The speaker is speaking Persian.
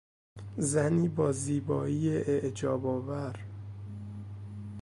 زنی با زیبایی اعجابآور